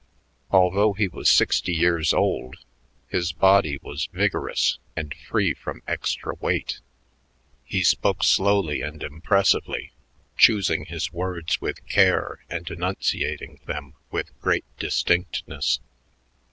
Although he was sixty years old, his body was vigorous and free from extra weight. He spoke slowly and impressively, choosing his words with care and enunciating them with great distinctness.